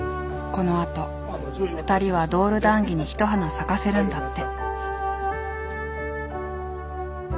このあと２人はドール談義に一花咲かせるんだって。